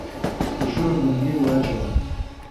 د شور بنګړي واچول